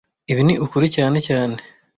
Ibi ni ukuri cyane cyane